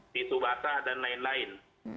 pintu basah dan lain lain